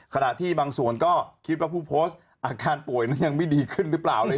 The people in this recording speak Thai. ขณะที่บางส่วนก็คิดว่าผู้โพสต์อาการป่วยนั้นยังไม่ดีขึ้นหรือเปล่า